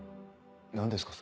何ですか？